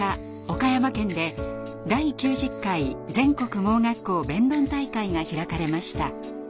岡山県で第９０回全国盲学校弁論大会が開かれました。